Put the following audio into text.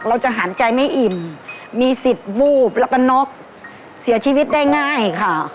เราจะหันใจไม่อิ่มมีสิทธิ์วูบแล้วก็น็อกเสียชีวิตได้ง่ายค่ะ